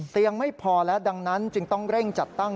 ไม่พอและดังนั้นจึงต้องเร่งจัดตั้ง